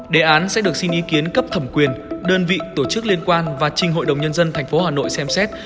đề án sẽ được xin ý kiến cấp thẩm quyền đơn vị tổ chức liên quan và trình hội đồng nhân dân tp hà nội xem xét